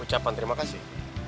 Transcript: ucapan terima kasih